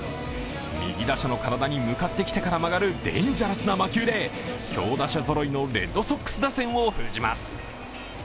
右打者の体に向かってきてから曲がるデンジャラスな魔球で強打者ぞろいのレッドソックス打線を封じます。